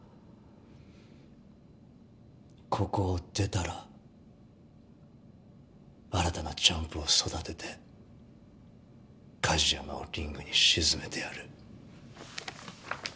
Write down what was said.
ここを出たら新たなチャンプを育てて梶山をリングに沈めてやる。